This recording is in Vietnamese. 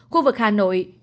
khu vực hà nội